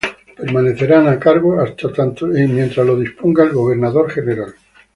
Permanecerán a cargo hasta tanto lo disponga el Gobernador general.